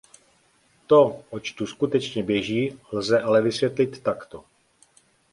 To, oč skutečně běží, lze ale vysvětlit takto.